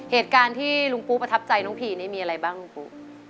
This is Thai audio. เหตุการณ์ที่ลุงปูประทับใจน้องผีนี่มีอะไรบ้างลุงปุ๊